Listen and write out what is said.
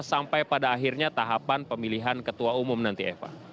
sampai pada akhirnya tahapan pemilihan ketua umum nanti eva